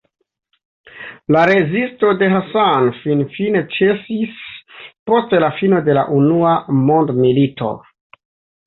La rezisto de Hassan finfine ĉesis post la fino de la Unua Mondmilito.